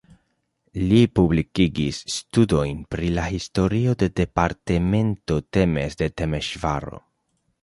Li publikigis studojn pri la historio de departemento Temes de Temeŝvaro.